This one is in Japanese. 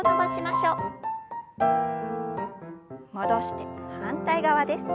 戻して反対側です。